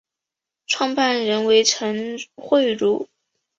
创办人为陈惠如。